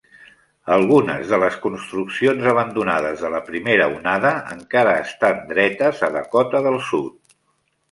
Algunes de les construccions abandonades de la primera onada encara estan dretes a Dakota del Sud.